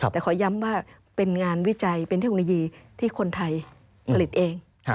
แต่ขอย้ำว่าเป็นงานวิจัยเป็นเทคโนโลยีที่คนไทยผลิตเอง